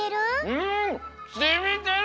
うん！しみてる！